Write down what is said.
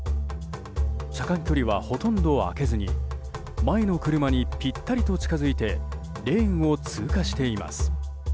車間距離は、ほとんど開けずに前の車にぴったりと近づいてレーンを通過しています。